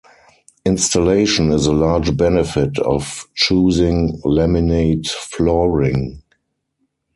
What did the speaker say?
Installation is a large benefit of choosing laminate flooring.